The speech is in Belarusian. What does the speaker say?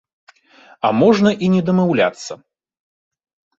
А можна і не дамаўляцца.